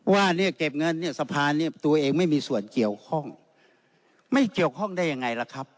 ว่าเรียกเก็บเงินเนี่ยสะพานเนี่ยตัวเองไม่มีส่วนเกี่ยวข้องไม่เกี่ยวข้องได้ยังไงล่ะครับ